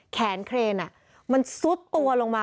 แขนเครนมันซุดตัวลงมา